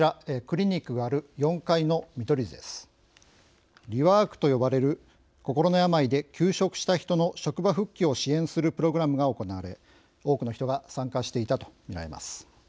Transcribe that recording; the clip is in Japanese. リワークと呼ばれる心の病で休職した人の職場復帰を支援するプログラムが行われ多くの人が参加していたとみられます。